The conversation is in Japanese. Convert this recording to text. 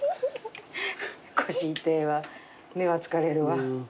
腰痛えわ目は疲れるわ。